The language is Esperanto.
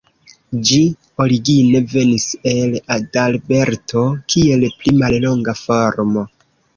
Ĝi origine venis el Adalberto, kiel pli mallonga formo.